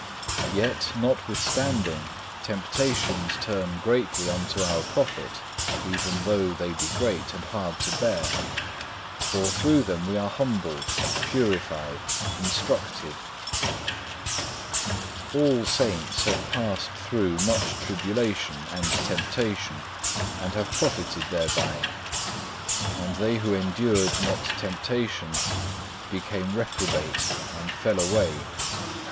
Yet, notwithstanding, temptations turn greatly unto our profit, even though they be great and hard to bear; for through them we are humbled, purified, instructed. All Saints have passed through much tribulation and temptation, and have profited thereby. And they who endured not temptation became reprobate and fell away.